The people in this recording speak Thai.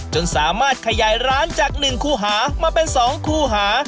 จนสามารถขยายร้านจาก๑คู่หามาเป็น๒คู่หา